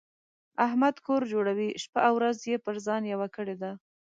احمد کور جوړوي؛ شپه او ورځ يې پر ځان یوه کړې ده.